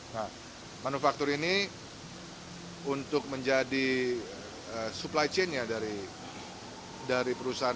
nah manufaktur ini untuk menjadi supply chain nya dari perusahaan perusahaan